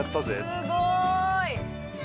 すごい。